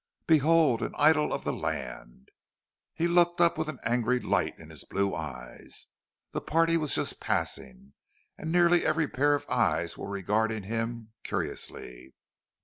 "Behold an idyll of the land!" He looked up with an angry light in his blue eyes. The party was just passing, and nearly every pair of eyes was regarding him curiously.